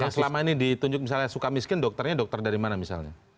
kalau selama ini ditunjuk misalnya suka miskin dokternya dokter dari mana misalnya